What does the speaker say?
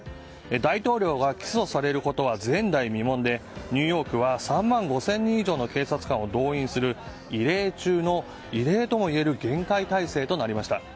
大統領が起訴されることは前代未聞で、ニューヨークは３万５０００人以上の警察官を動員する異例中の異例ともいえる厳戒態勢となりました。